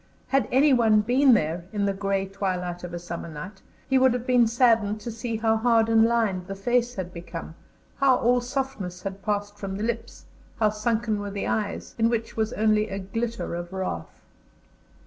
Had anyone been there, in the grey twilight of a summer night, he would have been saddened to see how hard and lined the face had become, how all softness had passed from the lips, how sunken were the eyes, in which was only a glitter of wrath.